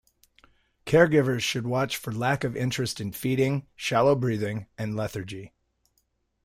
Caregivers should watch for lack of interest in feeding, shallow breathing, and lethargy.